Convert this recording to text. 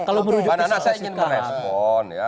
kalau menurut anda saya ingin merespon ya